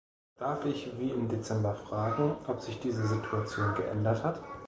Darf ich wie im Dezember fragen, ob sich diese Situation geändert hat?